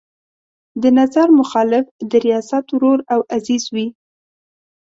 د نظر مخالف د ریاست ورور او عزیز وي.